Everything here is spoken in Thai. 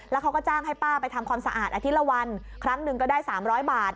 แล้วเขาก็จ้างให้ป้าไปทำความสะอาดอาทิตย์ละวันครั้งหนึ่งก็ได้๓๐๐บาท